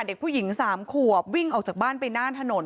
เด็กผู้หญิง๓ขวบวิ่งออกจากบ้านไปน่านถนน